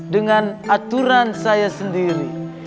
dengan aturan saya sendiri